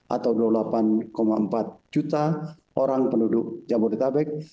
atau dua puluh delapan empat juta orang penduduk jabodetabek